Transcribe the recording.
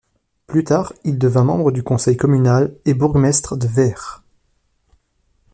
Plus tard, il devint membre du conseil communal et bourgmestre de Veere.